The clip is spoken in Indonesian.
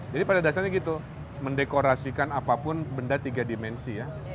jadi pada dasarnya gitu mendekorasikan apapun benda tiga dimensi ya